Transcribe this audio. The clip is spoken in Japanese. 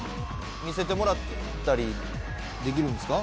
見せてもらったりできるんですか？